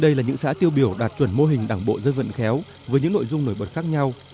đây là những xã tiêu biểu đạt chuẩn mô hình đảng bộ dân vận khéo với những nội dung nổi bật khác nhau